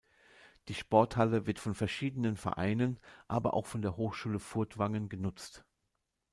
Die Sporthalle wird von verschiedenen Vereinen, aber auch von der Hochschule Furtwangen genutzt.